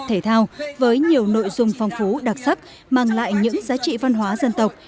thể thao với nhiều nội dung phong phú đặc sắc mang lại những giá trị văn hóa dân tộc